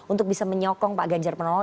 untuk bisa menyokong pak ganjar pranowo